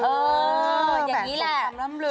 แบบนี้แหละ